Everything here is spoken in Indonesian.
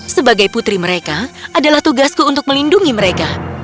sebagai putri mereka adalah tugasku untuk melindungi mereka